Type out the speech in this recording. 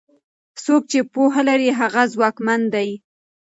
څوک چې پوهه لري هغه ځواکمن دی.